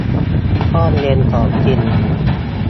ห้องเย็นของจริง